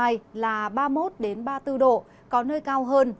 nhiệt độ cao nhất ngày mai là ba mươi một ba mươi bốn độ có nơi cao hơn